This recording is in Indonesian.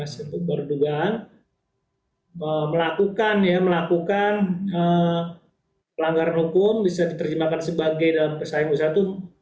sebut baru dugaan melakukan pelanggaran hukum bisa diterjemahkan sebagai dalam keseimbangan usaha itu